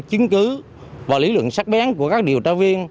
chứng cứ và lý lượng sắc bén của các điều tra viên